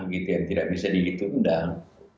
yang tidak bisa ditundang